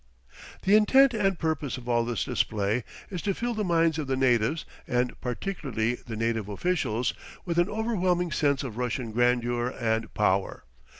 The intent and purpose of all this display is to fill the minds of the natives, and particularly the native officials, with an overwhelming sense of Russian grandeur and power.